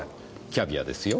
キャビアですよ。